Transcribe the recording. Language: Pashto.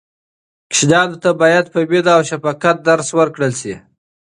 ماشومانو ته باید په مینه او شفقت درس ورکړل سي.